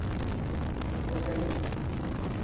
Kokain?